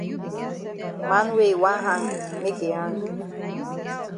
Man wey yi wan hang make yi hang.